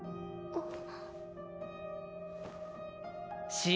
あっ。